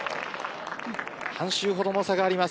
半周ほどの差があります。